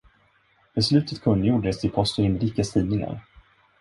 Beslutet kungjordes i Post- och Inrikes Tidningar.